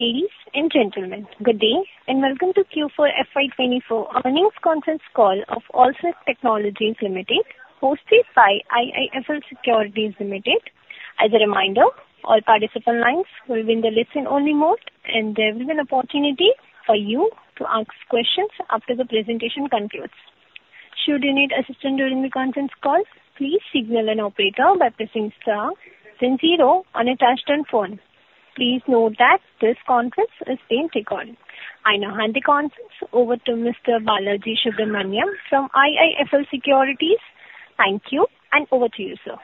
Ladies and gentlemen, good day and welcome to Q4 FY 2024 Earnings Conference Call of Allsec Technologies Limited, hosted by IIFL Securities Limited. As a reminder, all participant lines will be in the listen-only mode, and there will be an opportunity for you to ask questions after the presentation concludes. Should you need assistance during the conference call, please signal an operator by pressing star then zero on the attached phone. Please note that this conference is being recorded. I now hand the conference over to Mr. Balaji Subramanian from IIFL Securities. Thank you, and over to you, sir.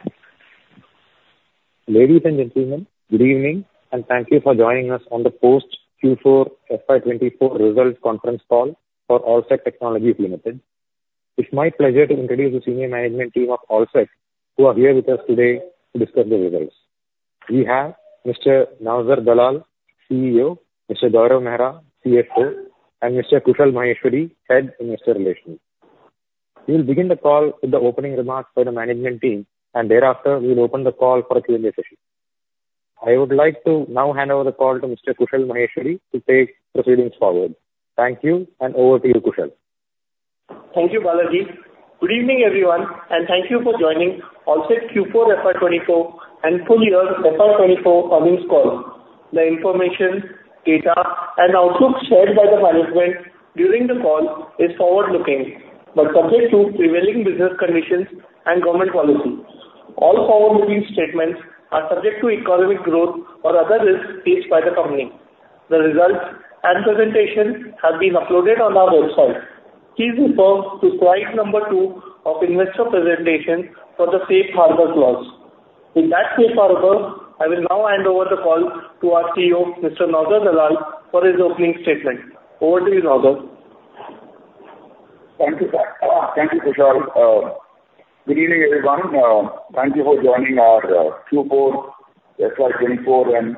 Ladies and gentlemen, good evening, and thank you for joining us on the post-Q4 FY 2024 results conference call for Allsec Technologies Limited. It's my pleasure to introduce the senior management team of Allsec who are here with us today to discuss the results. We have Mr. Naozer Dalal, CEO, Mr. Gaurav Mehra, CFO, and Mr. Kushal Maheshwari, Head of Investor Relations. We will begin the call with the opening remarks by the management team, and thereafter we will open the call for a Q&A session. I would like to now hand over the call to Mr. Kushal Maheshwari to take proceedings forward. Thank you, and over to you, Kushal. Thank you, Balaji. Good evening, everyone, and thank you for joining Allsec Q4 FY 2024 and full year FY 2024 earnings call. The information, data, and outlook shared by the management during the call is forward-looking, but subject to prevailing business conditions and government policy. All forward-looking statements are subject to economic growth or other risks faced by the company. The results and presentation have been uploaded on our website. Please refer to slide number two of investor presentation for the safe harbor clause. With that safe harbor, I will now hand over the call to our CEO, Mr. Naozer Dalal, for his opening statement. Over to you, Naozer. Thank you, Kushal. Good evening, everyone. Thank you for joining our Q4 FY 2024 and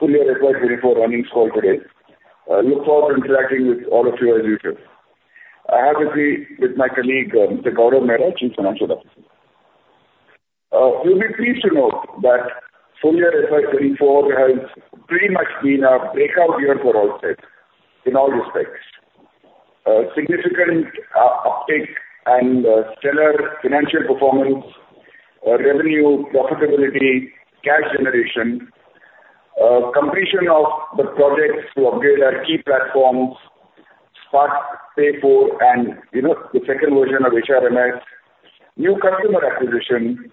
full year FY 2024 earnings call today. Look forward to interacting with all of you as usual. I have with me my colleague, Mr. Gaurav Mehra, Chief Financial Officer. You'll be pleased to note that full year FY 2024 has pretty much been a breakout year for Allsec in all respects: significant uptick and stellar financial performance, revenue profitability, cash generation, completion of the projects to upgrade our key platforms, SmartPay 4 and the second version of HRMS, new customer acquisition,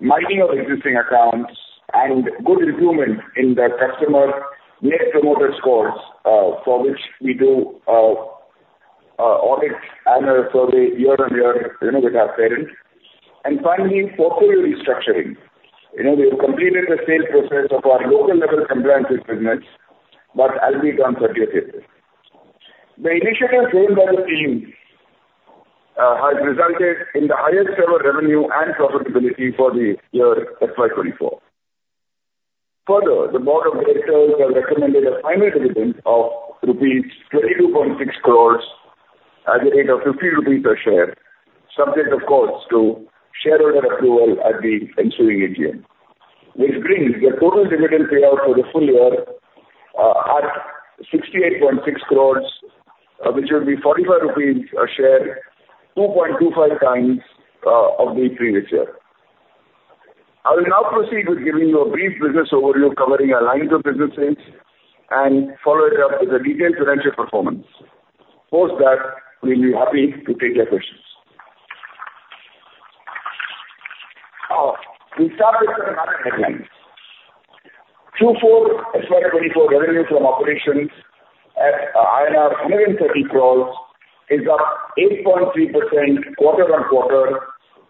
mining of existing accounts, and good improvement in the customer Net Promoter Scores for which we do audits and a survey year-over-year with our partners. Finally, portfolio restructuring. We have completed the sale process of our Labor Law Compliance business, but it'll be done 30th April. The initiative driven by the team has resulted in the highest ever revenue and profitability for the year FY 2024. Further, the board of directors have recommended a final dividend of rupees 22.6 crores at the rate of 50 rupees per share, subject, of course, to shareholder approval at the ensuing AGM, which brings the total dividend payout for the full year at INR 68.6 crores, which will be 45 rupees a share, 2.25x of the previous year. I will now proceed with giving you a brief business overview covering our lines of businesses and follow it up with a detailed financial performance. Post that, we'll be happy to take your questions. We'll start with some market headlines. Q4 FY 2024 revenue from operations at INR 130 crores is up 8.3% quarter-on-quarter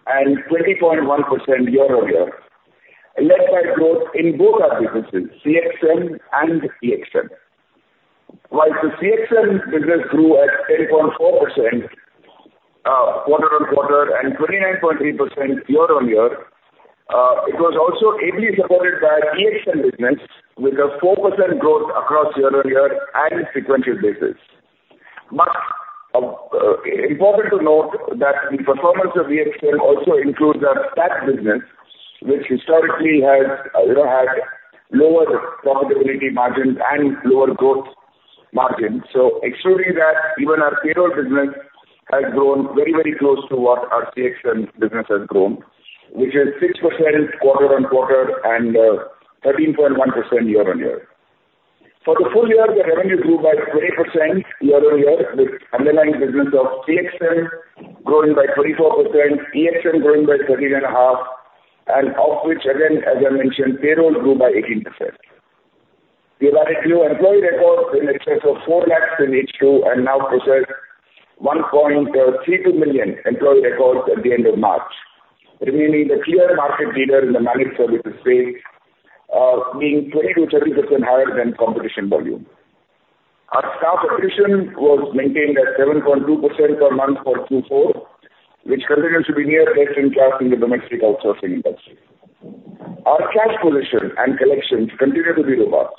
and 20.1% year-on-year, led by growth in both our businesses, CXM and EXM. While the CXM business grew at 10.4% quarter-on-quarter and 29.3% year-on-year, it was also heavily supported by EXM business with a 4% growth across year-on-year and sequential basis. Important to note that the performance of EXM also includes our Stat business, which historically has had lower profitability margins and lower growth margins. Excluding that, even our payroll business has grown very, very close to what our CXM business has grown, which is 6% quarter-on-quarter and 13.1% year-on-year. For the full year, the revenue grew by 20% year-on-year, with underlying business of CXM growing by 24%, EXM growing by 13.5%, and of which, again, as I mentioned, payroll grew by 18%. We have added new employee records in excess of 400,000 in H2 and now process 1.32 million employee records at the end of March, remaining the clear market leader in the managed services space, being 20%-30% higher than competition volume. Our staff attrition was maintained at 7.2% per month for Q4, which continues to be near best-in-class in the domestic outsourcing industry. Our cash position and collections continue to be robust.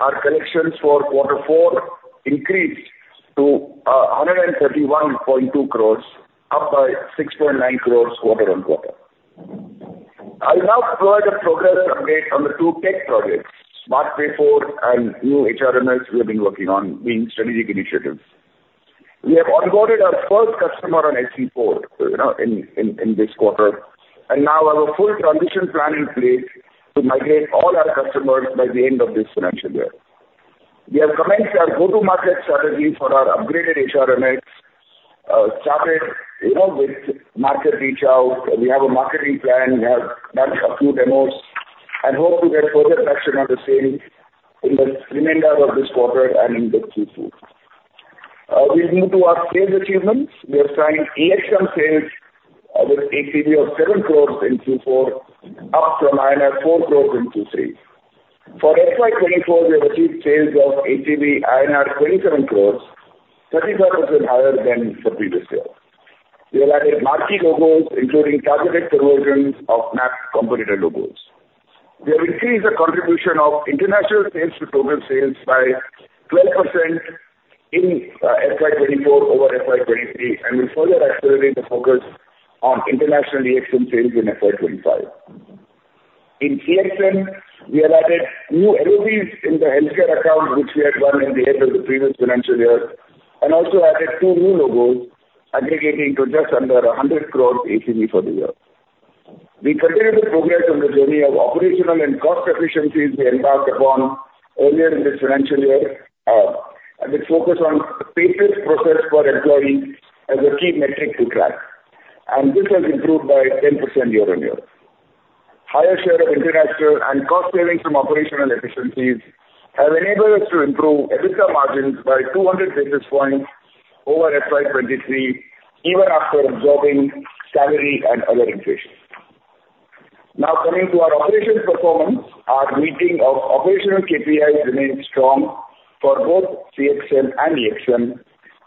Our collections for quarter four increased to 131.2 crores, up by 6.9 crores quarter-on-quarter. I will now provide a progress update on the two tech projects, SmartPay 4 and new HRMS we have been working on, being strategic initiatives. We have onboarded our first customer on SmartPay 4 in this quarter, and now have a full transition plan in place to migrate all our customers by the end of this financial year. We have commenced our go-to-market strategy for our upgraded HRMS, started with market reach-out. We have a marketing plan. We have done a few demos and hope to get further traction on the same in the remainder of this quarter and in the Q2. We'll move to our sales achievements. We have signed EXM sales with ACV of 7 crores in Q4, up from 4 crores in Q3. For FY 2024, we have achieved sales of ACV INR 27 crores, 35% higher than the previous year. We have added marquee logos, including targeted conversions of mapped competitor logos. We have increased the contribution of international sales to total sales by 12% in FY 2024 over FY 2023, and we'll further accelerate the focus on international EXM sales in FY 2025. In EXM, we have added new LOBs in the healthcare account, which we had done at the end of the previous financial year, and also added two new logos, aggregating to just under 100 crore ACV for the year. We continue to progress on the journey of operational and cost efficiencies we embarked upon earlier in this financial year, with focus on payroll process for employees as a key metric to track, and this has improved by 10% year-on-year. Higher share of international and cost savings from operational efficiencies have enabled us to improve EBITDA margins by 200 basis points over FY 2023, even after absorbing salary and other inflation. Now coming to our operations performance, we're meeting operational KPIs remains strong for both CXM and EXM,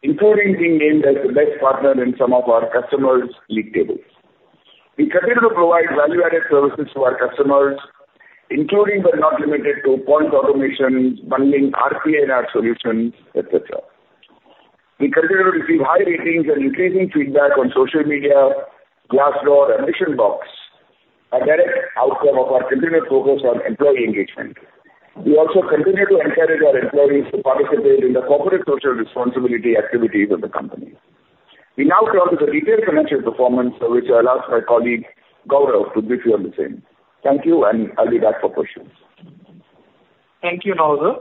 including being named as the best partner in some of our customers' league tables. We continue to provide value-added services to our customers, including but not limited to point automation, bundling RPA in our solutions, etc. We continue to receive high ratings and increasing feedback on social media, Glassdoor, and AmbitionBox, a direct outcome of our continued focus on employee engagement. We also continue to encourage our employees to participate in the corporate social responsibility activities of the company. We now close with a detailed financial performance for which I'll ask my colleague, Gaurav, to brief you on the same. Thank you, and I'll be back for questions. Thank you, Naozer.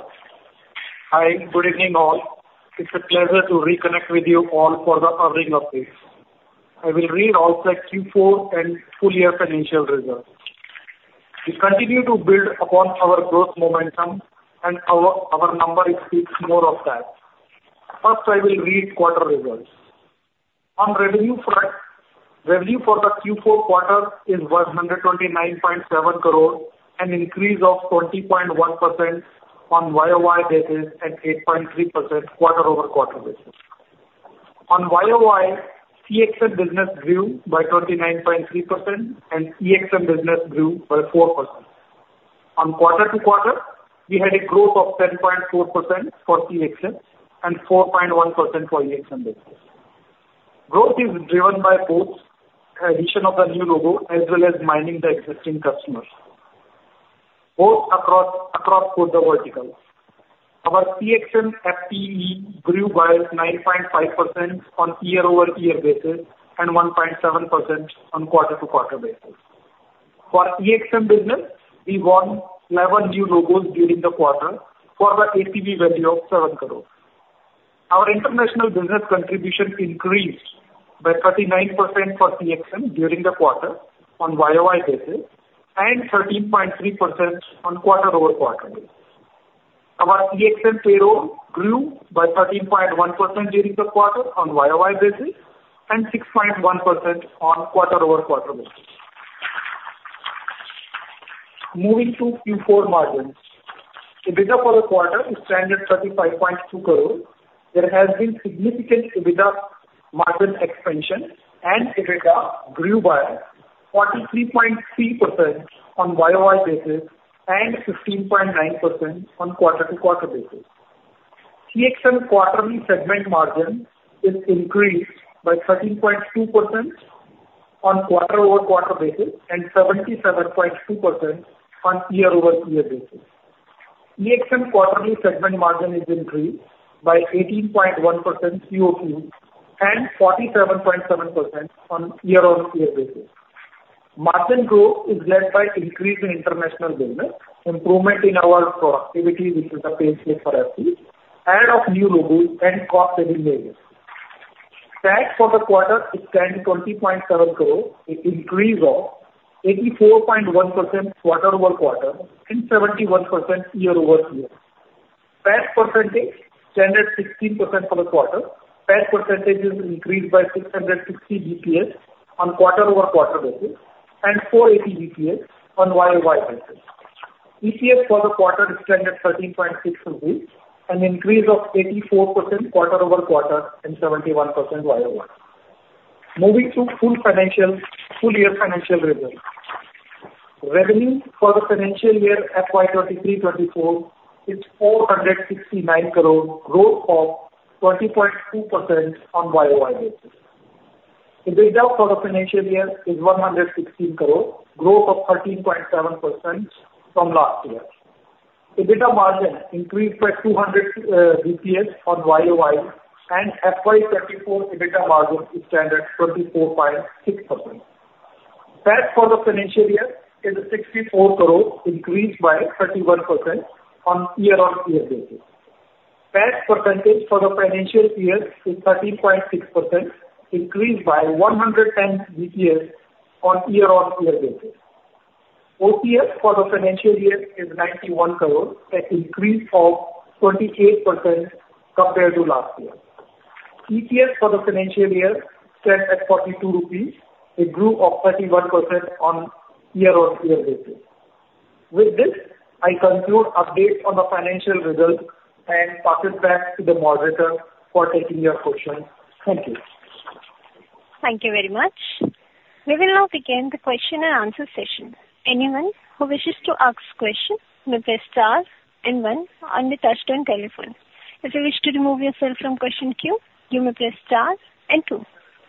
Hi, good evening all. It's a pleasure to reconnect with you all for the Q4 updates. I will read Allsec Q4 and full year financial results. We continue to build upon our growth momentum, and our number speaks more of that. First, I will read quarter results. On revenue front, revenue for the Q4 quarter is 129.7 crore, an increase of 20.1% on YoY basis and 8.3% quarter-over-quarter basis. On YoY, CXM business grew by 29.3%, and EXM business grew by 4%. On quarter-to-quarter, we had a growth of 10.4% for CXM and 4.1% for EXM business. Growth is driven by both addition of the new logo as well as mining the existing customers, both across both the verticals. Our CXM FTE grew by 9.5% on year-over-year basis and 1.7% on quarter-to-quarter basis. For EXM business, we won 11 new logos during the quarter for the ACV value of 7 crores. Our international business contribution increased by 39% for CXM during the quarter on YoY basis and 13.3% on quarter-over-quarter basis. Our EXM payroll grew by 13.1% during the quarter on YoY basis and 6.1% on quarter-over-quarter basis. Moving to Q4 margins, EBITDA for the quarter is stands at 35.2 crores. There has been significant EBITDA margin expansion, and EBITDA grew by 43.3% on YoY basis and 15.9% on quarter-over-quarter basis. CXM quarterly segment margin is increased by 13.2% on quarter-over-quarter basis and 77.2% on year-over-year basis. EXM quarterly segment margin is increased by 18.1% QOQ and 47.7% on year-over-year basis. Margin growth is led by increase in international business, improvement in our productivity, which is Payslips per FTE, add of new logos, and cost savings measures. PAT for the quarter is 20.7 crore, an increase of 84.1% quarter-over-quarter and 71% year-over-year. PAT percentage is 16% for the quarter. PAT percentage is increased by 660 basis points on quarter-over-quarter basis and 480 basis points on year-over-year basis. EPS for the quarter is 13.6 rupees, an increase of 84% quarter-over-quarter and 71% year-over-year. Moving to full year financial results. Revenue for the financial year FY 2023/2024 is 469 crore, growth of 20.2% on year-over-year basis. EBITDA for the financial year is 116 crore, growth of 13.7% from last year. EBITDA margin increased by 200 basis points on year-over-year, and FY 2024 EBITDA margin is 24.6%. PAT for the financial year is 64 crore, increased by 31% on year-on-year basis. PAT percentage for the financial year is 13.6%, increased by 110 basis points on year-on-year basis. OCF for the financial year is 91 crore, an increase of 28% compared to last year. EPS for the financial year is set at 42 rupees. It grew of 31% on year-on-year basis. With this, I conclude update on the financial results and pass it back to the moderator for taking your questions. Thank you. Thank you very much. We will now begin the question and answer session. Anyone who wishes to ask a question may press star one on your touchtone telephone. If you wish to remove yourself from question queue, you may press star two.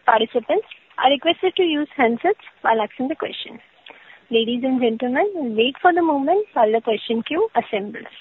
Participants are requested to use handsets while asking the question. Ladies and gentlemen, please wait a moment while the question queue assembles.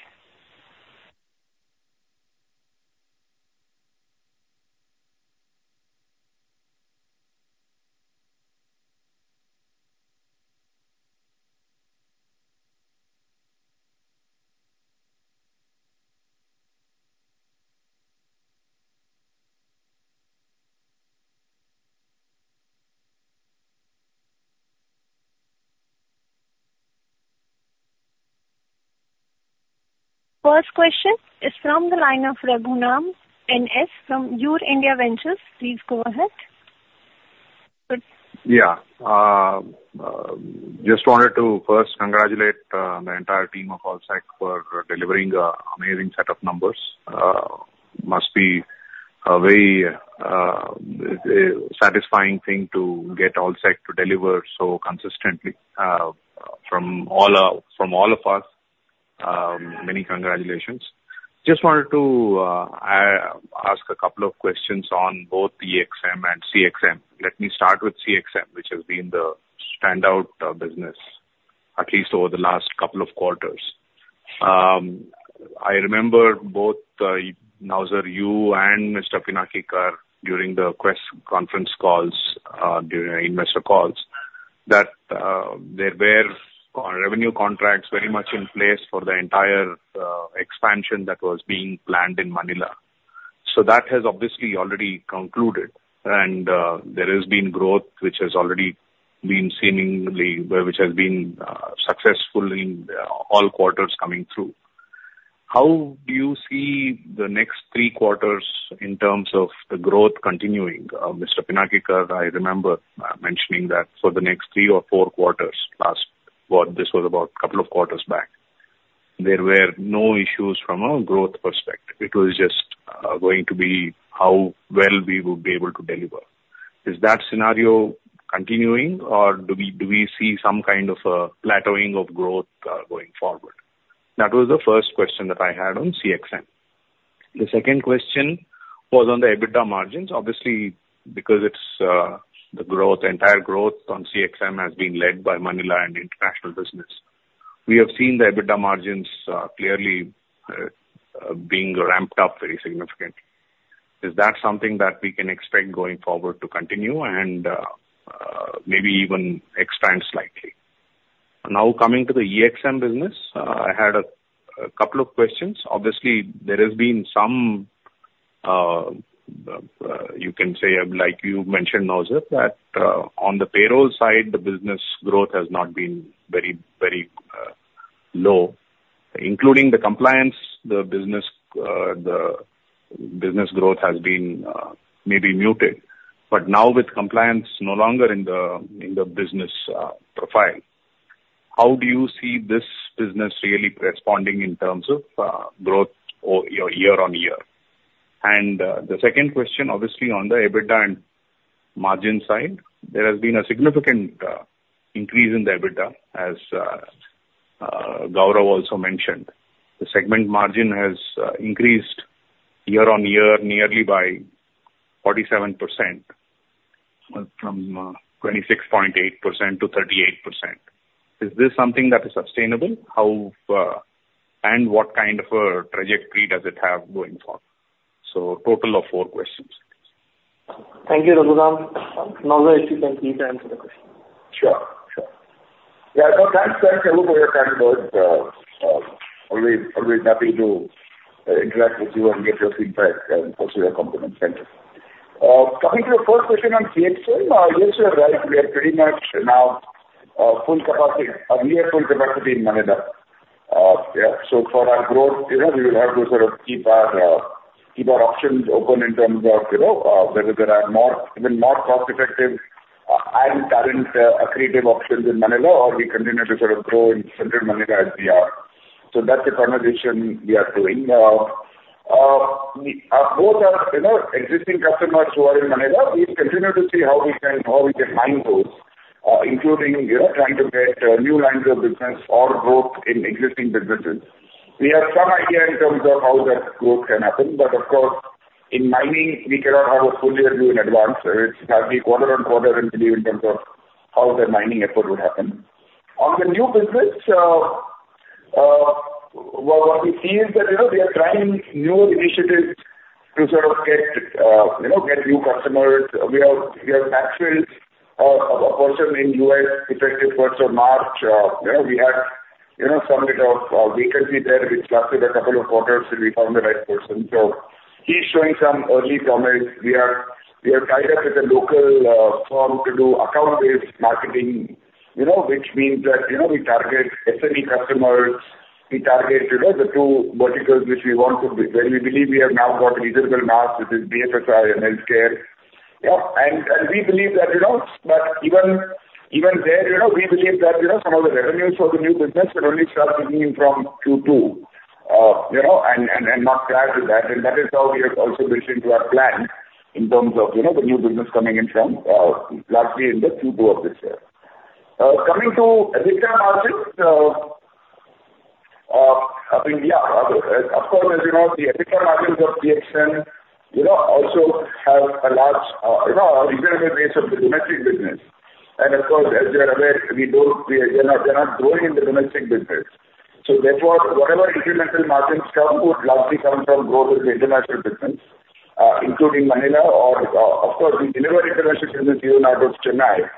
First question is from the line of Raghuram N S from EurIndia Ventures. Please go ahead. Yeah. Just wanted to first congratulate the entire team of Allsec for delivering an amazing set of numbers. It must be a very satisfying thing to get Allsec to deliver so consistently from all of us. Many congratulations. Just wanted to ask a couple of questions on both EXM and CXM. Let me start with CXM, which has been the standout business, at least over the last couple of quarters. I remember both Naozer, you, and Mr. Pinaki Kar during the press conference calls, during our investor calls, that there were revenue contracts very much in place for the entire expansion that was being planned in Manila. So that has obviously already concluded, and there has been growth, which has already been seemingly successful in all quarters coming through. How do you see the next three quarters in terms of the growth continuing? Mr. Pinaki Kar, I remember mentioning that for the next three or four quarters. Last, this was about a couple of quarters back. There were no issues from a growth perspective. It was just going to be how well we would be able to deliver. Is that scenario continuing, or do we see some kind of a plateauing of growth going forward? That was the first question that I had on CXM. The second question was on the EBITDA margins. Obviously, because the entire growth on CXM has been led by Manila and international business, we have seen the EBITDA margins clearly being ramped up very significantly. Is that something that we can expect going forward to continue and maybe even expand slightly? Now coming to the EXM business, I had a couple of questions. Obviously, there has been some you can say, like you mentioned, Naozer, that on the payroll side, the business growth has not been very, very low. Including the compliance, the business growth has been maybe muted. But now with compliance no longer in the business profile, how do you see this business really responding in terms of growth year-on-year? And the second question, obviously, on the EBITDA and margin side, there has been a significant increase in the EBITDA, as Gaurav also mentioned. The segment margin has increased year-on-year nearly by 47%, from 26.8%-38%. Is this something that is sustainable, and what kind of a trajectory does it have going forward? So total of four questions. Thank you, Raghuram. Naozer, if you can please answer the question. Sure. Sure. Yeah, no, thanks. Thanks, everyone, for your kind words. Always happy to interact with you and get your feedback and also your compliments. Thank you. Coming to the first question on CXM, yes, you're right. We are pretty much now near full capacity in Manila. Yeah. So for our growth, we will have to sort of keep our options open in terms of whether there are even more cost-effective and current accretive options in Manila, or we continue to sort of grow in central Manila as we are. So that's the conversation we are doing. Both are existing customers who are in Manila. We continue to see how we can mine those, including trying to get new lines of business or growth in existing businesses. We have some idea in terms of how that growth can happen. But of course, in mining, we cannot have a full year view in advance. It has to be quarter-on-quarter and believe in terms of how the mining effort would happen. On the new business, what we see is that we are trying newer initiatives to sort of get new customers. We have Matt Fields, a person in the U.S., effective 1st of March. We have some bit of vacancy there, which lasted a couple of quarters, and we found the right person. So he's showing some early promise. We are tied up with a local firm to do account-based marketing, which means that we target SME customers. We target the two verticals which we want to where we believe we have now got a reasonable mass, which is BFSI and healthcare. Yeah. We believe that, but even there, we believe that some of the revenues for the new business should only start beginning from Q2 and not grab with that. And that is how we have also built into our plan in terms of the new business coming in from last year in the Q2 of this year. Coming to EBITDA margins, I think yeah. Of course, as you know, the EBITDA margins of CXM also have a large reasonable base of the domestic business. And of course, as you're aware, they're not growing in the domestic business. So therefore, whatever incremental margins come would largely come from growth in the international business, including Manila. Or of course, we deliver international business even out of Chennai.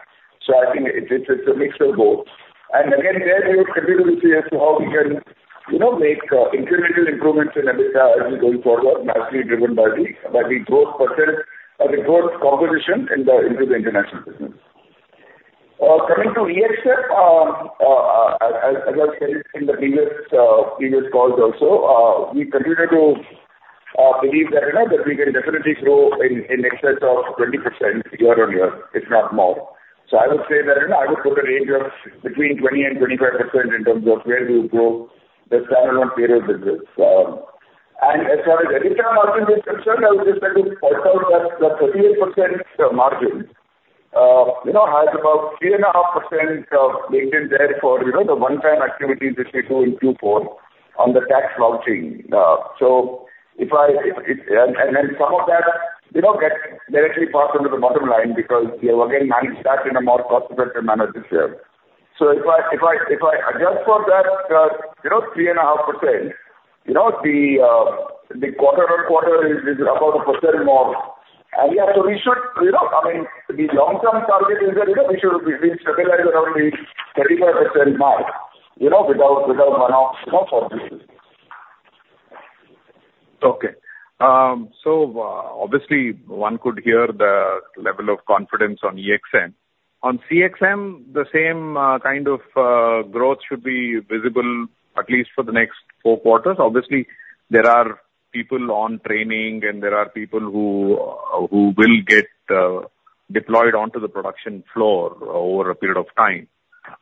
So I think it's a mix of both. Again, there, we will continue to see as to how we can make incremental improvements in EBITDA as we go forward, largely driven by the growth percent or the growth composition into the international business. Coming to EXM, as I've said in the previous calls also, we continue to believe that we can definitely grow in excess of 20% year-on-year, if not more. So I would say that I would put a range between 20% and 25% in terms of where we will grow the standalone payroll business. And as far as EBITDA margin is concerned, I would just like to point out that the 38% margin has about 3.5% baked in there for the one-time activities which we do in Q4 on the tax vouching. So if I and then some of that gets directly passed under the bottom line because we have, again, managed that in a more cost-effective manner this year. So if I adjust for that 3.5%, the quarter on quarter is about 1% more. And yeah, so we should I mean, the long-term target is that we should be stabilized around the 35% mark without runoff for this year. Okay. So obviously, one could hear the level of confidence on EXM. On CXM, the same kind of growth should be visible, at least for the next four quarters. Obviously, there are people on training, and there are people who will get deployed onto the production floor over a period of time.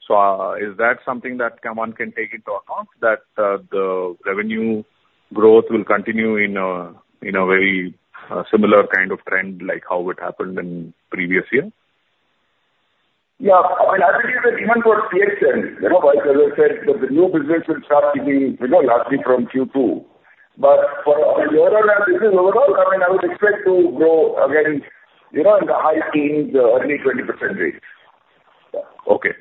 So is that something that one can take into account, that the revenue growth will continue in a very similar kind of trend like how it happened in previous years? Yeah. I mean, I believe that even for CXM, like Raghav said, that the new business will start beginning largely from Q2. But on a year-on-year basis overall, I mean, I would expect to grow, again, in the high teens, the early 20% range. Okay.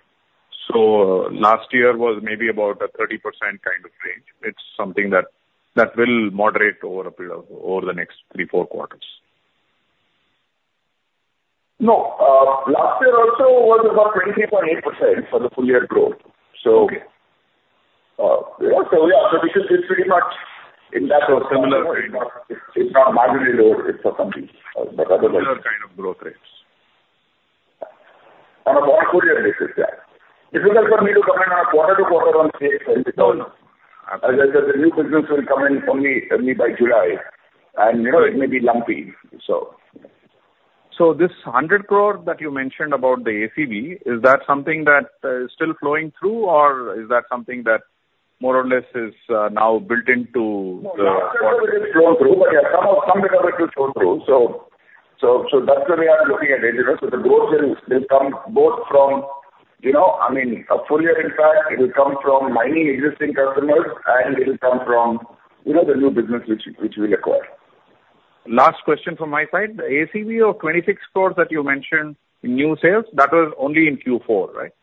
So last year was maybe about a 30% kind of range. It's something that will moderate over the next three, four quarters? No. Last year also was about 23.8% for the full-year growth. So yeah, so we are pretty much in that similar, it's not marginally lower. It's for some reason. But otherwise. Similar kind of growth rates. On a full-year basis, yeah. It's difficult for me to comment on a quarter to quarter on CXM because, as I said, the new business will come in only by July, and it may be lumpy, so. This 100 crore that you mentioned about the ACB, is that something that is still flowing through, or is that something that more or less is now built into the quarter? Some bit of it is flowing through, but yeah, some bit of it will show through. So that's where we are looking at it. So the growth will come both from, I mean, a full-year, in fact, it will come from mining existing customers, and it will come from the new business which we'll acquire. Last question from my side. The ACB of 26 crore that you mentioned, new sales, that was only in Q4, right?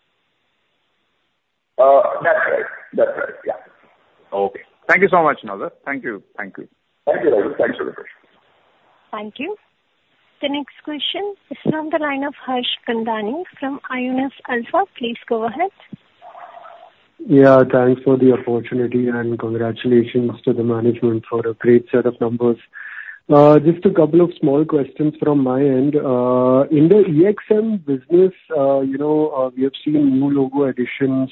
That's right. That's right. Yeah. Okay. Thank you so much, Naozer. Thank you. Thank you. Thank you, Raghav. Thanks for the question. Thank you. The next question is from the line of Harsh Kundnani from Aionios Alpha. Please go ahead. Yeah. Thanks for the opportunity, and congratulations to the management for a great set of numbers. Just a couple of small questions from my end. In the EXM business, we have seen new logo additions,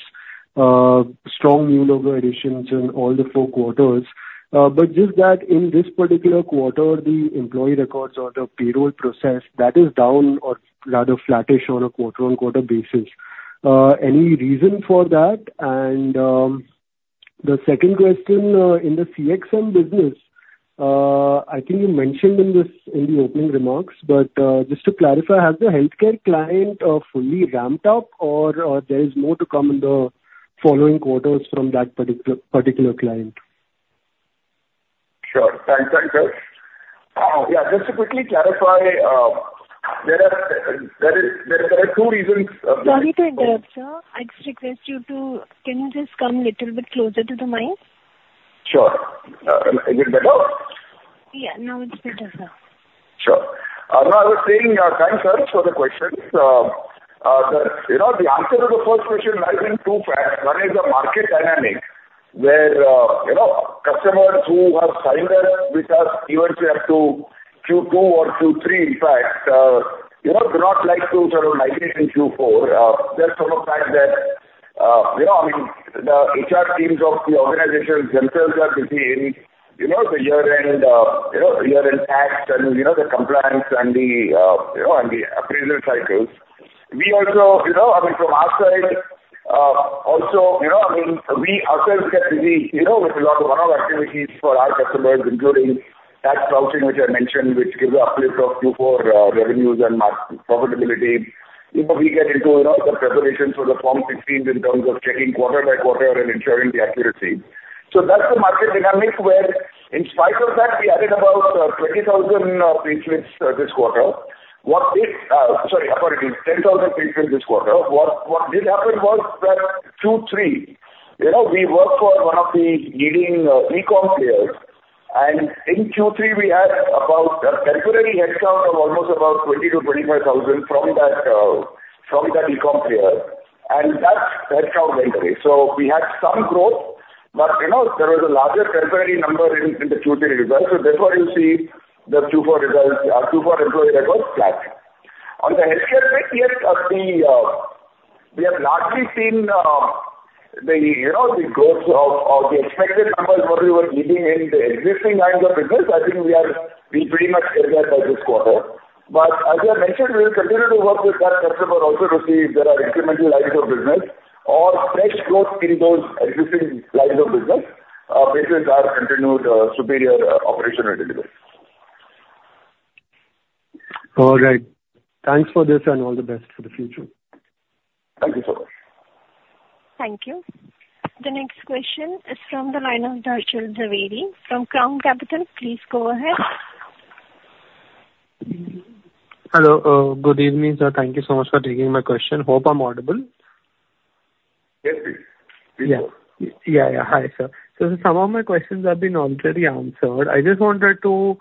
strong new logo additions in all the four quarters. But just that, in this particular quarter, the employee records or the payroll process, that is down or rather flattish on a quarter-on-quarter basis. Any reason for that? And the second question, in the CXM business, I think you mentioned in the opening remarks. But just to clarify, has the healthcare client fully ramped up, or there is more to come in the following quarters from that particular client? Sure. Thanks. Thanks, Harsh. Yeah, just to quickly clarify, there are two reasons. Sorry to interrupt, sir. I just request you to can you just come a little bit closer to the mic? Sure. Is it better? Yeah. No, it's better, sir. Sure. No, I was saying thanks, Raghav, for the question. The answer to the first question lies in two facts. One is the market dynamic where customers who have signed up with us, even if we have to Q2 or Q3, in fact, do not like to sort of migrate in Q4. There's some of that I mean, the HR teams of the organizations themselves are busy in the year-end tax and the compliance and the appraisal cycles. We also I mean, from our side, also, I mean, we ourselves get busy with a lot of one-off activities for our customers, including tax vouching, which I mentioned, which gives a uplift of Q4 revenues and profitability. We get into the preparations for the Form 16 in terms of checking quarter by quarter and ensuring the accuracy. So that's the market dynamic where, in spite of that, we added about 20,000 payslips this quarter. Sorry, apologies. 10,000 payslips this quarter. What did happen was that Q3, we worked for one of the leading e-comm players. In Q3, we had a temporary headcount of almost about 20,000-25,000 from that e-comm player. That headcount went away. So we had some growth, but there was a larger temporary number in the Q3 results. So therefore, you see the Q4 results our Q4 employee records flat. On the healthcare bit, yes, we have largely seen the growth of the expected numbers where we were leading in the existing lines of business. I think we are pretty much getting there by this quarter. But as I mentioned, we will continue to work with that customer also to see if there are incremental lines of business or fresh growth in those existing lines of business because our continued superior operational delivery. All right. Thanks for this, and all the best for the future. Thank you so much. Thank you. The next question is from the line of Darshil Jhaveri from Crown Capital, please go ahead. Hello. Good evening, sir. Thank you so much for taking my question. Hope I'm audible? Yes, please. Please go. Yeah. Yeah. Yeah. Hi, sir. So some of my questions have been already answered. I just wanted to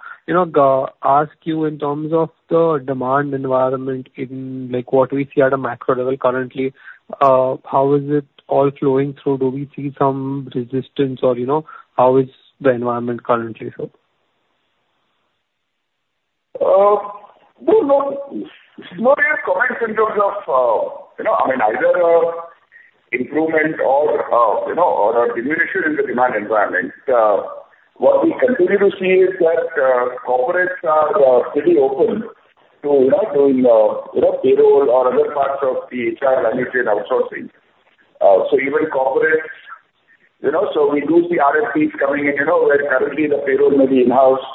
ask you in terms of the demand environment in what we see at a macro level currently, how is it all flowing through? Do we see some resistance, or how is the environment currently so? No, no. No real comments in terms of, I mean, either improvement or a diminution in the demand environment. What we continue to see is that corporates are pretty open to doing payroll or other parts of the HR lineage and outsourcing. So even corporates, so we do see RFPs coming in where currently, the payroll may be in-house,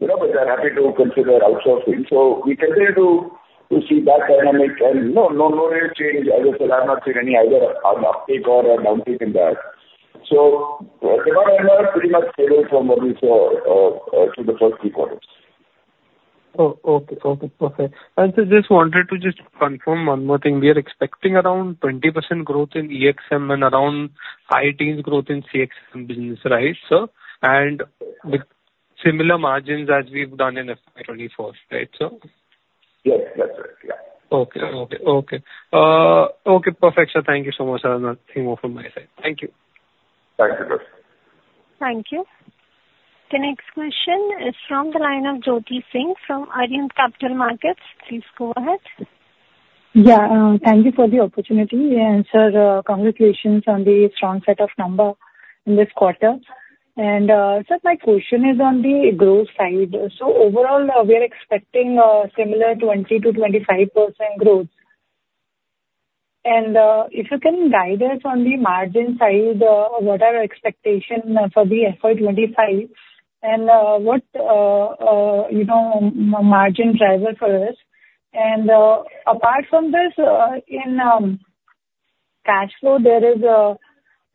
but they're happy to consider outsourcing. So we continue to see that dynamic. And no, no real change. As I said, I've not seen any either an uptake or a downtake in that. So demand environment is pretty much stable from what we saw through the first three quarters. Oh, okay. Okay. Perfect. And so just wanted to just confirm one more thing. We are expecting around 20% growth in EXM and around high teens growth in CXM business, right, sir? And similar margins as we've done in FY 2024, right, sir? Yes. That's right. Yeah. Okay. Okay. Okay. Okay. Perfect, sir. Thank you so much, sir. Nothing more from my side. Thank you. Thank you, Darshil. Thank you. The next question is from the line of Jyoti Singh from Arihant Capital Markets. Please go ahead. Yeah. Thank you for the opportunity. Sir, congratulations on the strong set of numbers in this quarter. Sir, my question is on the growth side. So overall, we are expecting similar 20%-25% growth. If you can guide us on the margin side, what are our expectations for the FY 2025 and what margin driver for us? Apart from this, in cash flow, there is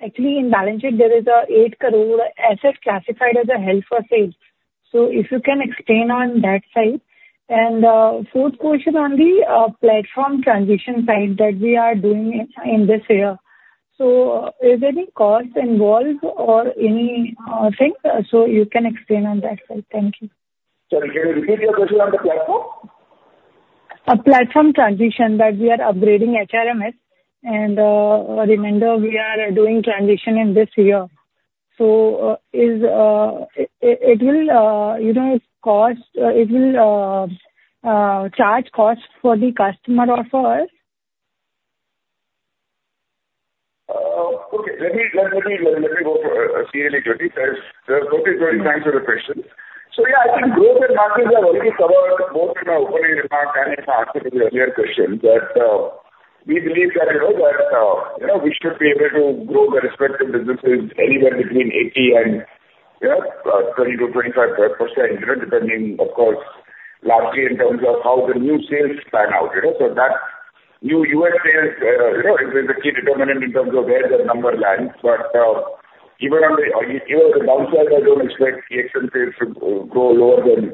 actually, in balance sheet, there is a 8 crore asset classified as held for sale. So if you can explain on that side. Fourth question on the platform transition side that we are doing in this year. So is any cost involved or anything so you can explain on that side? Thank you. Sorry, can you repeat your question on the platform? A platform transition that we are upgrading HRMS. Reminder, we are doing transition in this year. It will charge cost for the customer or for us? Okay. Let me go for a second, Jyoti. Sir, Jyoti, thanks for the question. So yeah, I think growth and margins are already covered both in my opening remark and in my answer to the earlier question that we believe that we should be able to grow the respective businesses anywhere between 80 and 20%-25%, depending, of course, largely in terms of how the new sales pan out. So that new US sales is a key determinant in terms of where that number lands. But even on the downside, I don't expect EXM sales to grow lower than 80%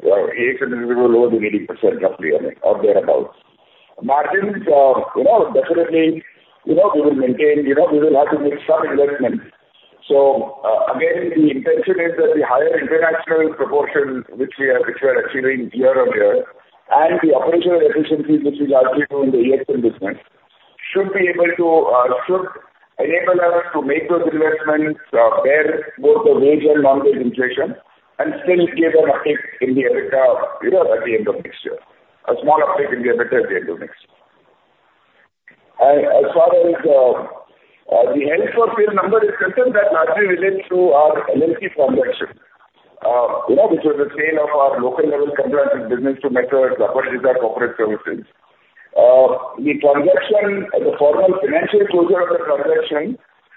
roughly, I mean, or thereabouts. Margins, definitely, we will maintain. We will have to make some investments. So again, the intention is that the higher international proportion which we are achieving year on year and the operational efficiencies which we largely do in the EXM business should be able to enable us to make those investments bear both the wage and non-wage inflation and still give an uptake in the EBITDA at the end of next year, a small uptake in the EBITDA at the end of next year. And as far as the held for sale number is concerned, that largely relates to our LLC transaction, which was a sale of our labor law compliance business to Quess Corp. The formal financial closure of the transaction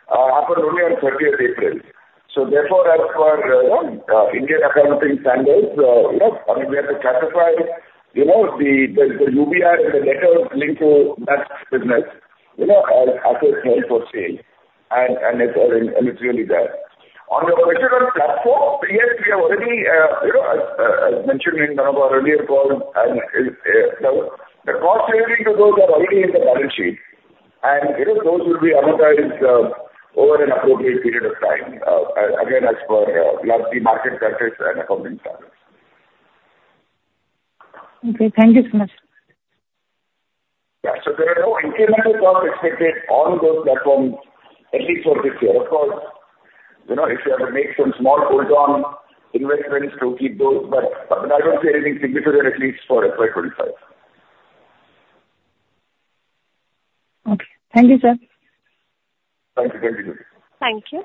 happened only on 30th April. So therefore, as per Indian accounting standards, I mean, we have to classify the business and the assets linked to that business as assets held for sale. And it's really that. On your question on platform, yes, we have already, as mentioned in one of our earlier calls, the cost generating to those are already in the balance sheet. Those will be amortized over an appropriate period of time, again, as per largely market practice and accounting standards. Okay. Thank you so much. Yeah. So there are no incremental costs expected on those platforms, at least for this year. Of course, if you have to make some small add-on investments to keep those. But I don't see anything significant, at least for FY 2025. Okay. Thank you, sir. Thank you. Thank you, Jyoti. Thank you.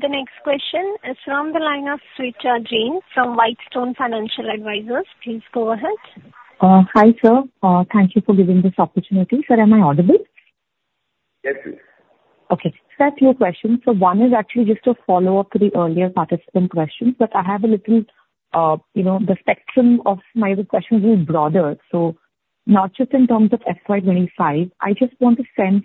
The next question is from the line of Swechha Jain from Whitestone Financial Advisors. Please go ahead. Hi, sir. Thank you for giving this opportunity. Sir, am I audible? Yes, please. Okay. Sir, a few questions. So one is actually just a follow-up to the earlier participant questions, but I have a little the spectrum of my questions is broader. So not just in terms of FY 2025, I just want to sense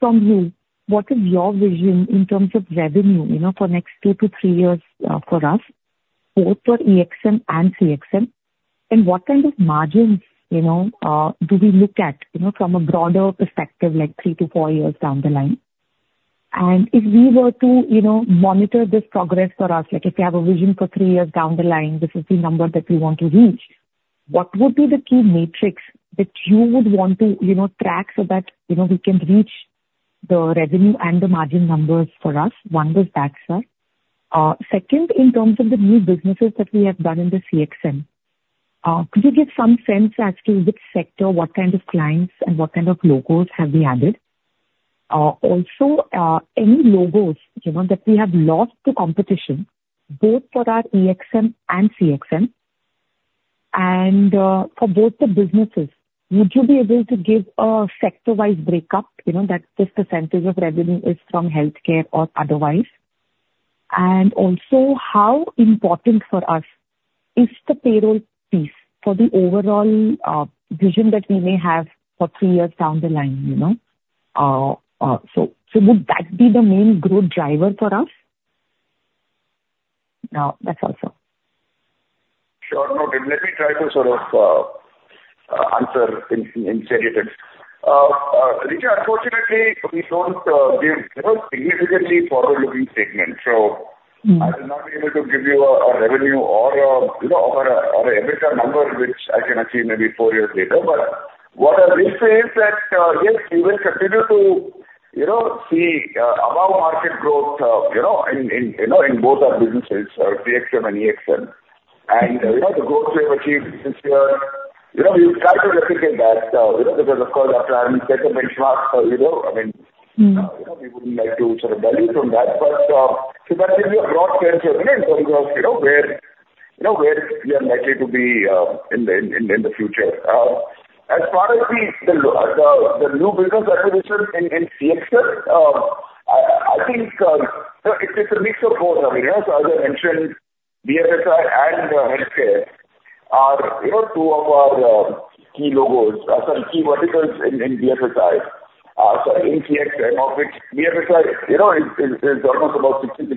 from you, what is your vision in terms of revenue for next two to three years for us, both for EXM and CXM? And what kind of margins do we look at from a broader perspective, like three to four years down the line? And if we were to monitor this progress for us, like if you have a vision for three years down the line, this is the number that we want to reach, what would be the key metrics that you would want to track so that we can reach the revenue and the margin numbers for us? One was that, sir. Second, in terms of the new businesses that we have done in the CXM, could you give some sense as to which sector, what kind of clients, and what kind of logos have we added? Also, any logos that we have lost to competition, both for our EXM and CXM, and for both the businesses, would you be able to give a sector-wise breakup, that this percentage of revenue is from healthcare or otherwise? And also, how important for us is the payroll piece for the overall vision that we may have for three years down the line? So would that be the main growth driver for us? No, that's all, sir. Sure. No, let me try to sort of answer instead of that. Swechha, unfortunately, we don't give out significantly forward-looking statements. So I will not be able to give you a revenue or an EBITDA number which I can achieve maybe four years later. But what I will say is that, yes, we will continue to see above-market growth in both our businesses, CXM and EXM. And the growth we have achieved this year, we've tried to replicate that because, of course, after having set the benchmarks, I mean, we wouldn't like to sort of deviate from that. But so that gives you a broad sense of in terms of where we are likely to be in the future. As far as the new business acquisition in CXM, I think it's a mix of both. I mean, so as I mentioned, BFSI and healthcare are two of our key logos, some key verticals in BFSI. Sorry, in CXM, of which BFSI is almost about 60%-65%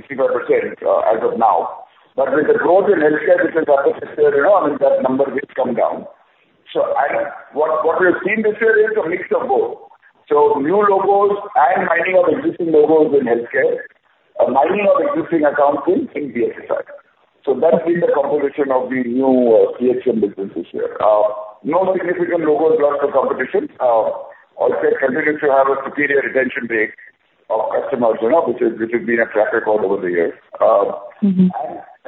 as of now. But with the growth in healthcare, which is happening this year, I mean, that number will come down. And what we have seen this year is a mix of both. So new logos and mining of existing logos in healthcare, mining of existing accounting in BFSI. So that's been the composition of the new CXM business this year. No significant logos lost to competition. Allsec continues to have a superior retention rate of customers, which has been a track record over the years. And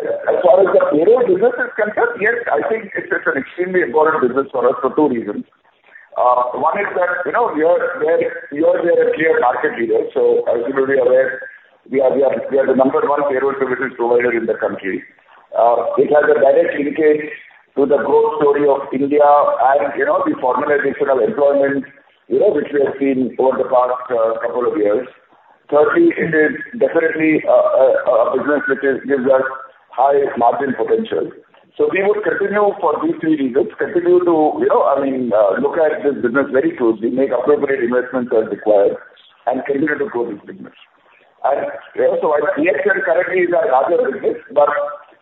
as far as the payroll business is concerned, yes, I think it's an extremely important business for us for two reasons. One is that we are the clear market leader. So as you may be aware, we are the number one payroll services provider in the country. It has a direct linkage to the growth story of India and the formalization of employment, which we have seen over the past couple of years. Thirdly, it is definitely a business which gives us high margin potential. So we would continue for these three reasons, continue to, I mean, look at this business very closely, make appropriate investments as required, and continue to grow this business. And so EXM currently is a larger business. But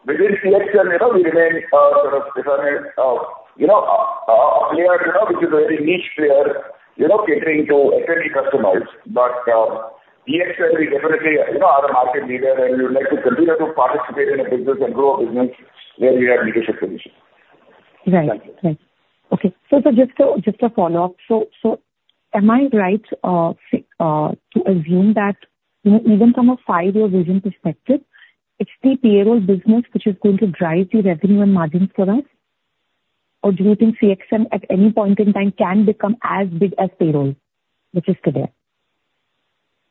within CXM, we remain sort of, if I may, a player which is a very niche player catering to SME customers. But EXM, we definitely are a market leader, and we would like to continue to participate in a business and grow a business where we have leadership positions. Right. Right. Okay. So just a follow-up. So am I right to assume that even from a five-year vision perspective, it's the payroll business which is going to drive the revenue and margins for us? Or do you think CXM at any point in time can become as big as payroll, which is today?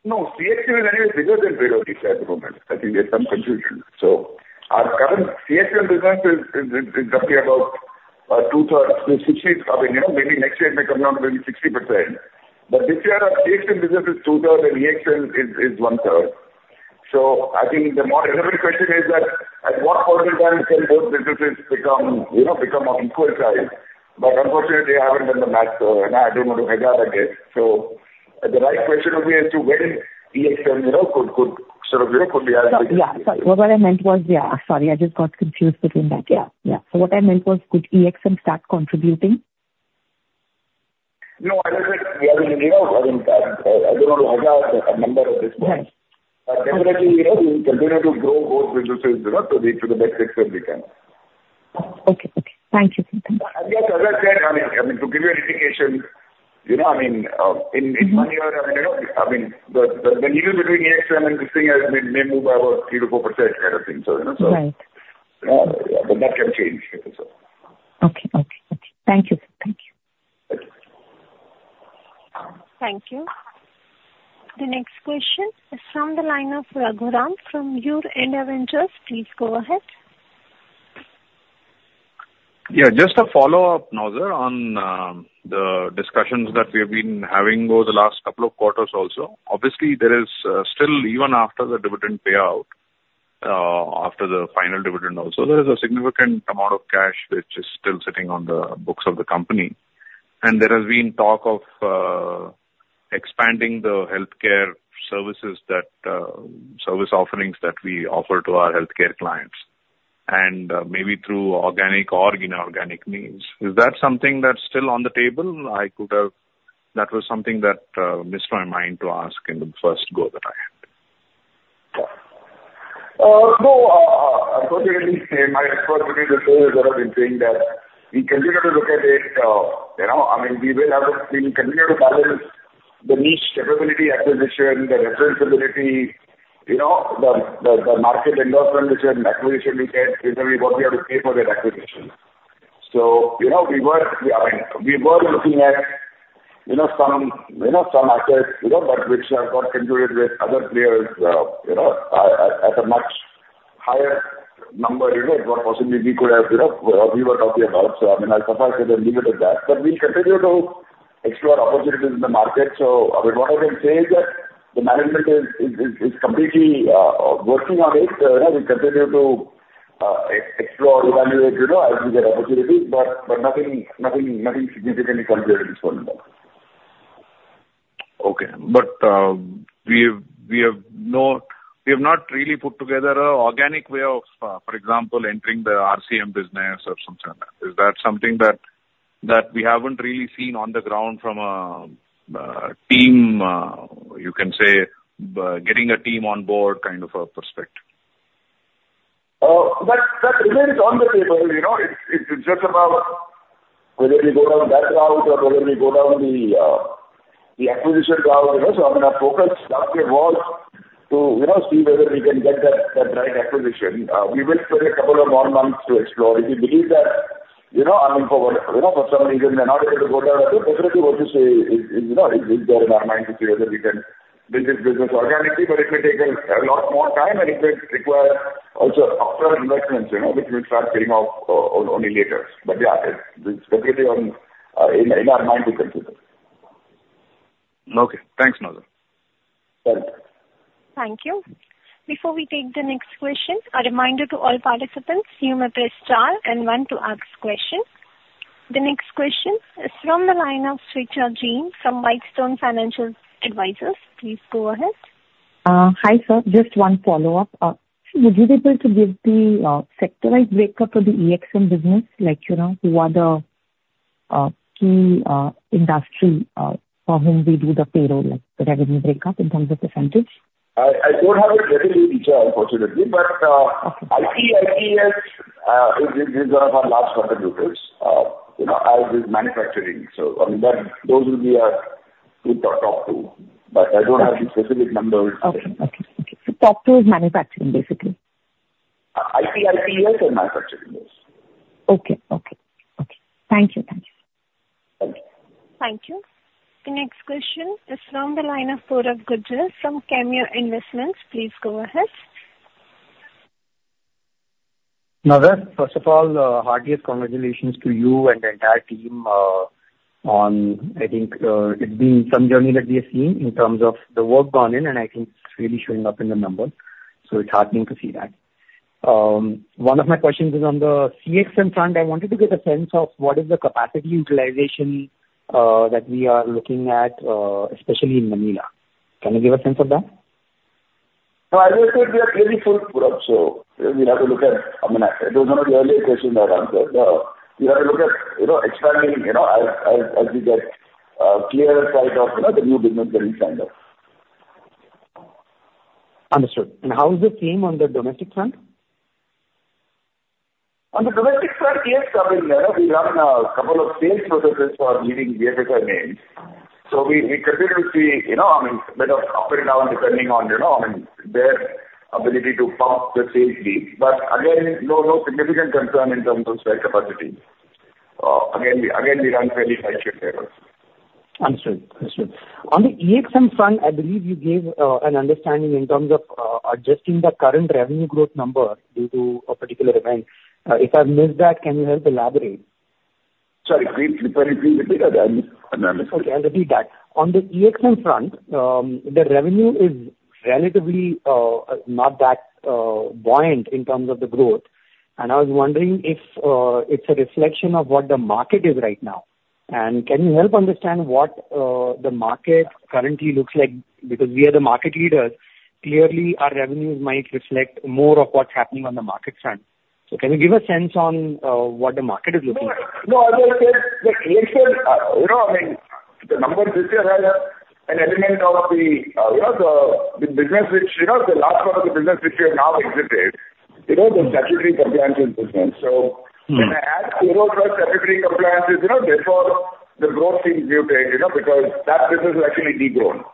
No. CXM is anyway bigger than payroll this year at the moment. I think there's some confusion. So our current CXM business is roughly about two-thirds. I mean, maybe next year it may come down to maybe 60%. But this year, our CXM business is 2/3 and EXM is 1/3. So I think the more relevant question is that at what point in time can both businesses become of equal size? But unfortunately, they haven't done the math, sir. And I don't know how that I guess. So the right question would be as to when EXM could sort of could we have the. Yeah. Sorry. What I meant was yeah. Sorry. I just got confused between that. Yeah. Yeah. So what I meant was, could EXM start contributing? No. I mean, I don't know how that a number at this point. But definitely, we will continue to grow both businesses to the best extent we can. Okay. Okay. Thank you. Thank you. And yes, as I said, I mean, to give you an indication, I mean, in one year, I mean, I mean, the needle between EXM and this thing may move by about 3%-4% kind of thing, sir. But that can change, sir. Okay. Okay. Okay. Thank you, sir. Thank you. Thank you. Thank you. The next question is from the line of Raghuram from EurIndia Ventures. Please go ahead. Yeah. Just a follow-up, Naozer, on the discussions that we have been having over the last couple of quarters also. Obviously, there is still even after the dividend payout, after the final dividend also, there is a significant amount of cash which is still sitting on the books of the company. And there has been talk of expanding the healthcare services that service offerings that we offer to our healthcare clients and maybe through organic or inorganic means. Is that something that's still on the table? That was something that slipped my mind to ask in the first go that I had. No, unfortunately, my approach with you this year is that I've been saying that we continue to look at it. I mean, we will have to. We will continue to balance the niche capability acquisition, the reference ability, the market endorsement, which an acquisition we get, is going to be what we have to pay for that acquisition. So we were, I mean, looking at some assets which have got contributed with other players at a much higher number than what possibly we could have or we were talking about. So I mean, I'll suffice it and leave it at that. But we'll continue to explore opportunities in the market. So I mean, what I can say is that the management is completely working on it. We'll continue to explore, evaluate as we get opportunities. But nothing significantly comes here at this point in time. Okay. But we have not really put together an organic way of, for example, entering the RCM business or something like that. Is that something that we haven't really seen on the ground from a team, you can say, getting a team on board kind of a perspective? That remains on the table. It's just about whether we go down that route or whether we go down the acquisition route. So I mean, our focus last year was to see whether we can get that right acquisition. We will spend a couple of more months to explore. If we believe that I mean, for some reason, we are not able to go down that route, definitely, what you say is there in our mind to see whether we can build this business organically. But it may take a lot more time, and it may require also upfront investments, which we'll start paying off only later. But yeah, it's definitely in our mind to consider. Okay. Thanks, Naozer. Thank you. Thank you. Before we take the next question, a reminder to all participants, you may press star and one to ask questions. The next question is from the line of Swechha Jain from Whitestone Financial Advisors. Please go ahead. Hi, sir. Just one follow-up. Would you be able to give the sector-wise breakup for the EXM business, who are the key industry for whom we do the payroll, the revenue breakup in terms of percentage? I don't have it very detailed, unfortunately. But ITS is one of our large contributors as is manufacturing. So I mean, those will be our two to talk to. But I don't have the specific numbers. Okay. Okay. Okay. So top two is manufacturing, basically? ITS and manufacturing, yes. Okay. Okay. Okay. Thank you. Thank you. Thank you. Thank you. The next question is from the line of Purab Gujar from Cameo Investments. Please go ahead. Naozer, first of all, heartiest congratulations to you and the entire team on, I think, it's been some journey that we have seen in terms of the work gone in. I think it's really showing up in the numbers. It's heartening to see that. One of my questions is on the CXM front. I wanted to get a sense of what is the capacity utilization that we are looking at, especially in Manila. Can you give a sense of that? No, as I said, we are clearly full up. So we'll have to look at, I mean, it was one of the earlier questions I had answered. We'll have to look at expanding as we get clearer sight of the new business that we signed up. Understood. How is the team on the domestic front? On the domestic front, yes, I mean, we run a couple of sales processes for leading BFSI names. So we continue to see, I mean, a bit of ups and downs depending on, I mean, their ability to pump the sales lead. But again, no significant concern in terms of sales capacity. Again, we run fairly tight ship payrolls. Understood. Understood. On the EXM front, I believe you gave an understanding in terms of adjusting the current revenue growth number due to a particular event. If I've missed that, can you help elaborate? Sorry. Can you please repeat that? I misunderstood. Okay. I'll repeat that. On the EXM front, the revenue is relatively not that buoyant in terms of the growth. I was wondering if it's a reflection of what the market is right now. Can you help understand what the market currently looks like? Because we are the market leaders. Clearly, our revenues might reflect more of what's happening on the market front. Can you give a sense on what the market is looking at? No, as I said, the EXM, I mean, the numbers this year have an element of the business which the last part of the business which we have now exited, the statutory compliance business. So when I add payroll plus statutory compliance, therefore, the growth seems mutated because that business has actually degrown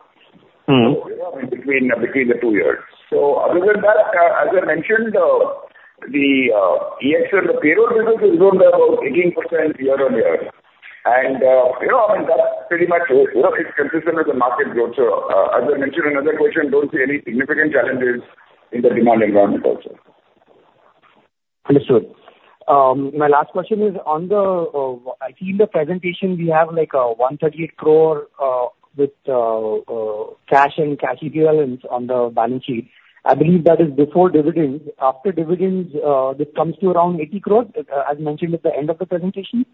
between the two years. So other than that, as I mentioned, the EXM, the payroll business is only about 18% year-on-year. And I mean, that's pretty much it; it's consistent with the market growth. So as I mentioned in another question, I don't see any significant challenges in the demand environment also. Understood. My last question is on the I see in the presentation, we have 138 crore with cash and cash equivalents on the balance sheet. I believe that is before dividends. After dividends, this comes to around 80 crore, as mentioned at the end of the presentation?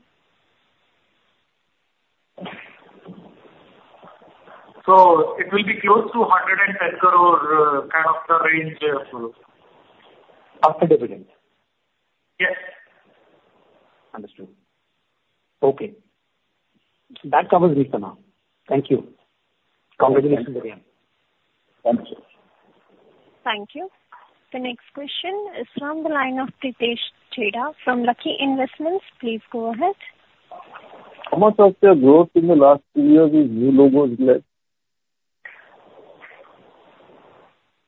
It will be close to 110 crore kind of the range for us. After dividends? Yes. Understood. Okay. That covers me for now. Thank you. Congratulations again. Thank you. Thank you. The next question is from the line of Pritesh Chheda from Lucky Investments. Please go ahead. How much of the growth in the last two years is new logos led?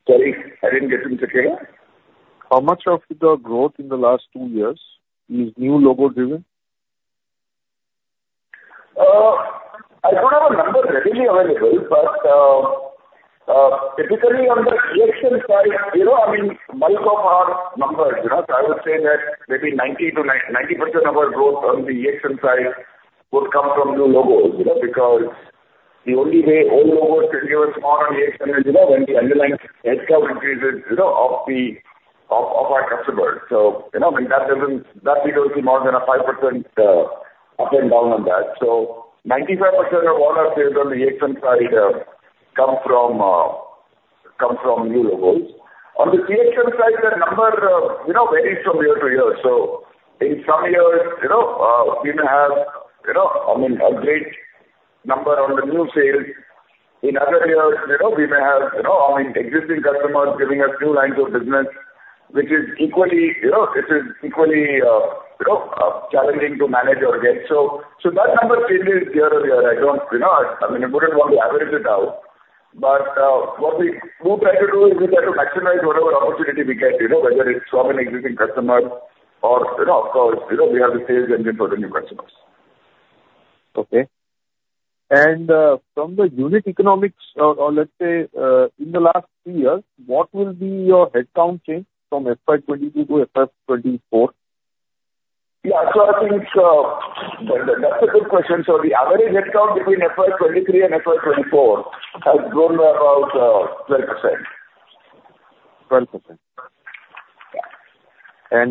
Sorry. I didn't get you, Mr. Chheda. How much of the growth in the last two years is new logo-driven? I don't have a number readily available. But typically, on the EXM side, I mean, majority of our numbers, I would say that maybe 90% of our growth on the EXM side would come from new logos because the only way old logos can give us more on EXM is when the underlying headcount increases of our customers. So I mean, we don't see more than a 5% up and down on that. So 95% of all our sales on the EXM side come from new logos. On the CXM side, that number varies from year to year. So in some years, we may have, I mean, a great number on the new sales. In other years, we may have, I mean, existing customers giving us new lines of business, which is equally challenging to manage or get. So that number changes year on year. I mean, I wouldn't want to average it out. But what we do try to do is we try to maximize whatever opportunity we get, whether it's from an existing customer or, of course, we have the sales engine for the new customers. Okay. From the unit economics or let's say, in the last two years, what will be your headcount change from FY 2022 to FY 2024? Yeah. I think that's a good question. The average headcount between FY 2023 and FY 2024 has grown by about 12%. 12%.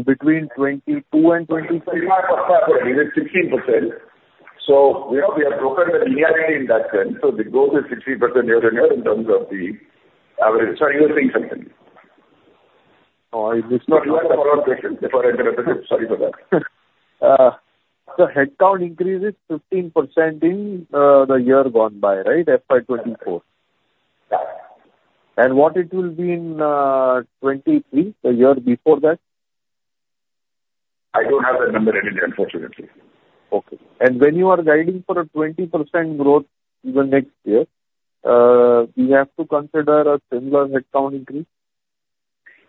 Between 2022 and 2023? It is 16%. So we have broken the linearity in that sense. So the growth is 16% year-over-year in terms of the average. Sorry. You were saying something. Oh, I missed my question. No, you had a follow-up question. If I interrupted you, sorry for that. The headcount increases 15% in the year gone by, right, FY 2024? Yes. What it will be in 2023, the year before that? I don't have that number ready, unfortunately. Okay. And when you are guiding for a 20% growth even next year, do you have to consider a similar headcount increase?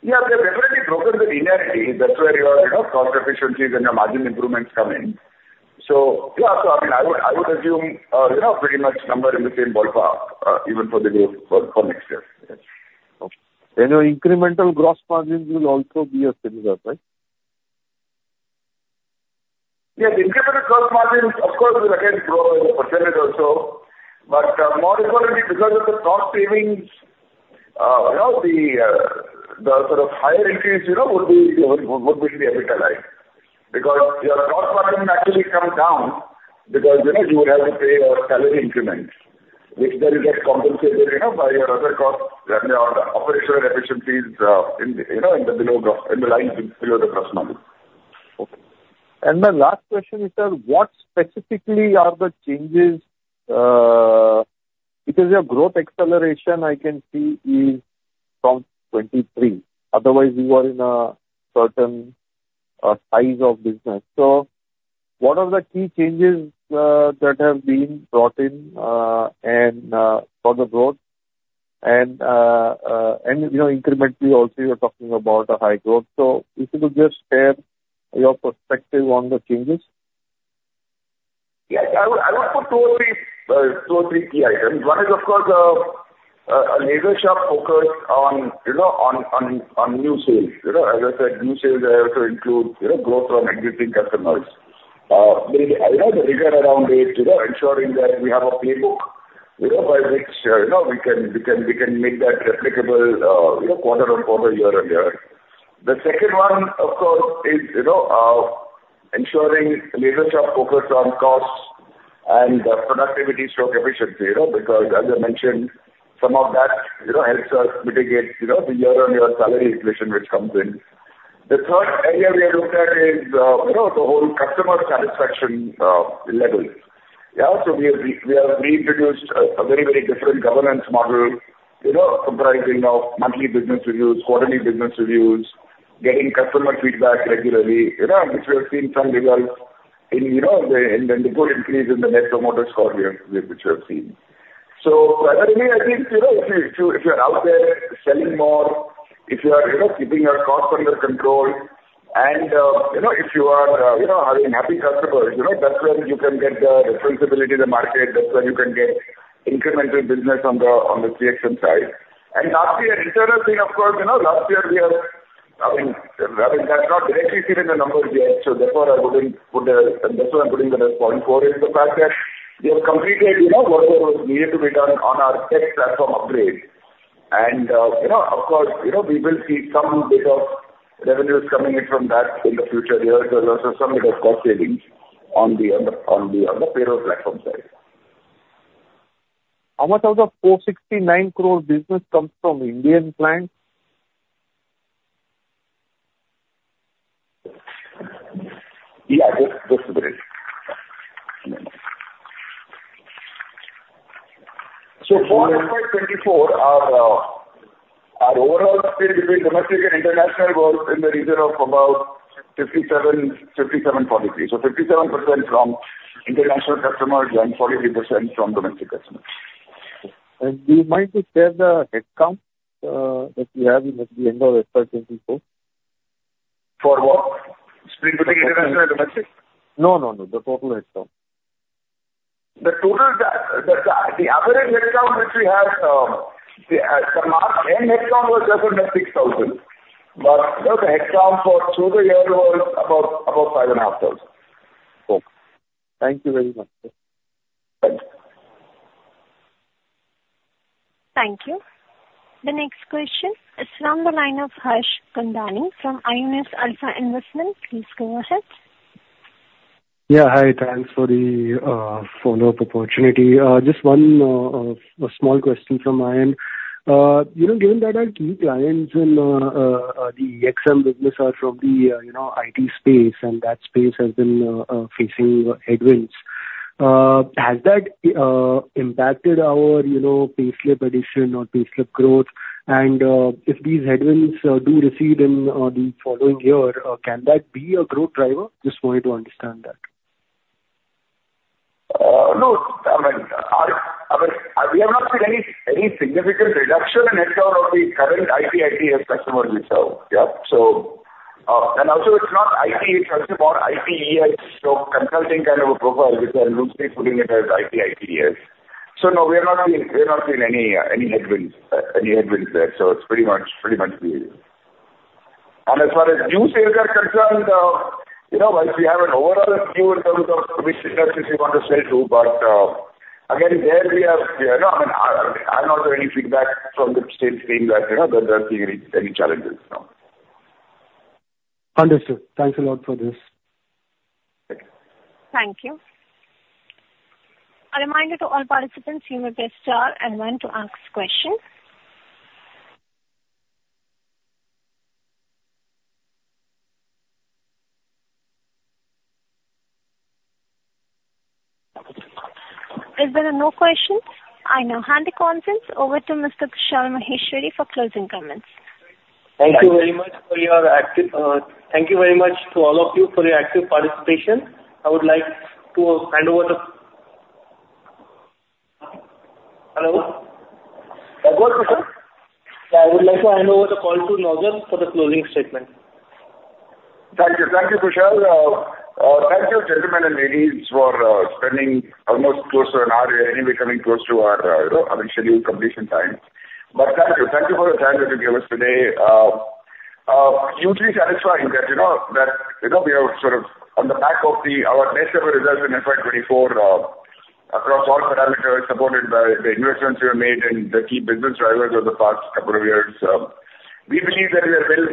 Yeah. We have definitely broken the linearity. That's where your cost efficiencies and your margin improvements come in. So yeah. So I mean, I would assume pretty much number in the same ballpark even for the growth for next year. Yes. Okay. And your incremental gross margins will also be a similar, right? Yes. Incremental gross margins, of course, will again grow as a percentage also. But more importantly, because of the cost savings, the sort of higher increase would be the EBITDA because your cost margin actually comes down because you would have to pay a salary increment, which then gets compensated by your other costs, I mean, all the operational efficiencies in the lines below the gross margin. Okay. My last question is, sir, what specifically are the changes because your growth acceleration, I can see, is from 2023. Otherwise, you are in a certain size of business. So what are the key changes that have been brought in for the growth? And incrementally, also, you're talking about a high growth. So if you could just share your perspective on the changes. Yes. I would put two or three key items. One is, of course, a laser-sharp focus on new sales. As I said, new sales, they also include growth from existing customers. The rigor around it, ensuring that we have a playbook by which we can make that replicable quarter-on-quarter, year-on-year. The second one, of course, is ensuring laser-sharp focus on costs and productivity/efficiency because, as I mentioned, some of that helps us mitigate the year-on-year salary inflation which comes in. The third area we have looked at is the whole customer satisfaction levels. Yeah. So we have reintroduced a very, very different governance model comprising of monthly business reviews, quarterly business reviews, getting customer feedback regularly, which we have seen some results in and then the good increase in the Net Promoter Score here which we have seen. So primarily, I think if you are out there selling more, if you are keeping your cost under control, and if you are having happy customers, that's when you can get the responsibility in the market. That's when you can get incremental business on the CXM side. And last year, an internal thing, of course, last year, we have I mean, that's not directly seen in the numbers yet. So therefore, I wouldn't put the and that's why I'm putting the 0.4 is the fact that we have completed whatever was needed to be done on our tech platform upgrade. And of course, we will see some bit of revenues coming in from that in the future years as well as some bit of cost savings on the payroll platform side. How much of the 469 crore business comes from Indian clients? Yeah. Just a minute. So for FY 2024, our overall split between domestic and international growth in the region of about 57%-43%. So 57% from international customers and 43% from domestic customers. Do you mind to share the headcount that you have at the end of FY 2024? For what? Split between international and domestic? No, no, no. The total headcount. The average headcount which we had the March-end headcount was just under 6,000. But the headcount through the year was about 5,500. Okay. Thank you very much. Thanks. Thank you. The next question is from the line of Harsh Kundnani from Aionios Alpha Investments. Please go ahead. Yeah. Hi. Thanks for the follow-up opportunity. Just one small question from my end. Given that our key clients in the EXM business are from the IT space, and that space has been facing headwinds, has that impacted our payslip addition or payslip growth? And if these headwinds do recede in the following year, can that be a growth driver? Just wanted to understand that. No. I mean, I mean, we have not seen any significant reduction in headcount of the current IT/ITS customers we serve. Yeah. And also, it's not ITS. It's more ITES, so consulting kind of a profile which I'm loosely putting it as IT/ITS. So no, we have not seen any headwinds there. So it's pretty much the and as far as new sales are concerned, you know what? We have an overall view in terms of which businesses we want to sell to. But again, there, we have I mean, I have not heard any feedback from the sales team that they're seeing any challenges. No. Understood. Thanks a lot for this. Thank you. Thank you. A reminder to all participants, you may press star one to ask questions. Is there any question? No. Hand the call over to Mr. Kushal Maheshwari for closing comments. Thank you very much to all of you for your active participation. I would like to hand over the hello? That's good, Kushal. Yeah. I would like to hand over the call to Naozer for the closing statement. Thank you. Thank you, Kushal. Thank you, gentlemen and ladies, for spending almost close to an hour anyway coming close to our scheduled completion time. But thank you. Thank you for the time that you gave us today. Hugely satisfying that we have sort of on the back of our best-ever results in FY 2024 across all parameters supported by the investments we have made and the key business drivers over the past couple of years, we believe that we are well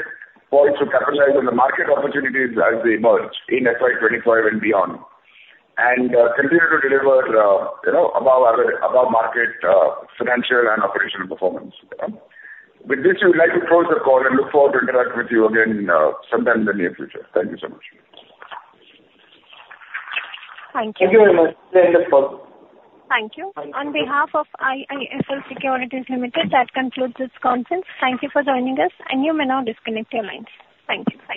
poised to capitalize on the market opportunities as they emerge in FY 2025 and beyond and continue to deliver above-market financial and operational performance. With this, we would like to close the call and look forward to interacting with you again sometime in the near future. Thank you so much. Thank you. Thank you very much. The end of call. Thank you. On behalf of IIFL Securities Limited, that concludes this conference. Thank you for joining us, and you may now disconnect your lines. Thank you. Thank you.